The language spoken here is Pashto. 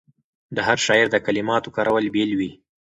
د هر شاعر د کلماتو کارول بېل وي.